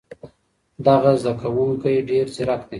دغه زده کوونکی ډېر ځیرک دی.